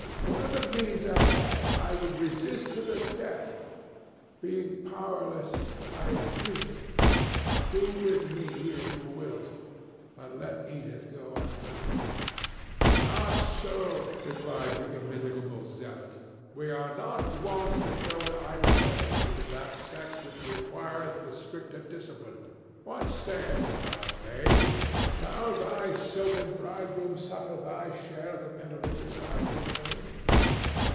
Were the means at hand, I would resist to the death; being powerless, I entreat. Do with me as thou wilt, but let Edith go untouched." "Not so," replied the immitigable zealot. "We are not wont to show an idle courtesy to that sex which requireth the stricter discipline.—What sayest thou, maid? Shall thy silken bridegroom suffer thy share of the penalty besides his own?"